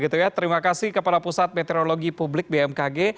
terima kasih kepala pusat meteorologi publik bmkg